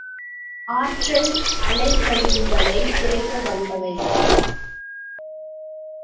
ஆற்றல் அலைக்கழிவுகளைக் குறைக்க வல்லவை.